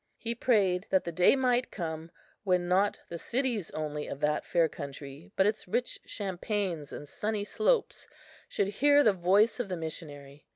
He prayed that the day might come, when not the cities only of that fair country, but its rich champaigns and sunny slopes should hear the voice of the missionary.